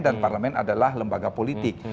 dan parlemen adalah lembaga politik